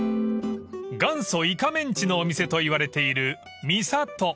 ［元祖イカメンチのお店といわれている］